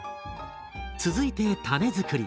続いてタネ作り。